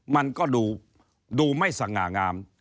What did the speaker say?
มันก็ดูไม่สง่างาม